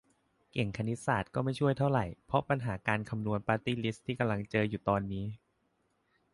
เก่งคณิตศาสตร์ก็ไม่ช่วยเท่าไร เพราะปัญหาการคำนวณปาร์ตี้ลิสต์ที่กำลังเจออยู่ตอนนี้